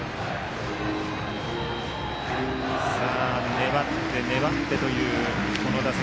粘って粘ってというこの打席。